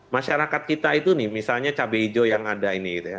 masyarakat kita itu nih misalnya cabai hijau yang ada ini gitu ya